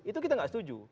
itu kita nggak setuju